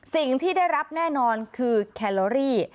สิ่งที่ได้รับแน่นอนคือแคลอรี่